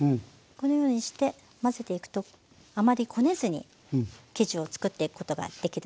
このようにして混ぜていくとあまりこねずに生地を作っていくことができるんですね。